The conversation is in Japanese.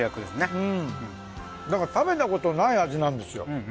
うんだから食べたことない味なんですよ。